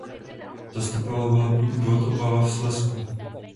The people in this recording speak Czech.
Zastupoval volební obvod Opava v Slezsku.